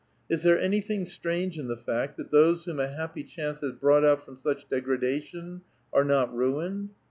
Is there anything strange in the fact that those wliom a happy chance has brought out from such degradation are not ruined?"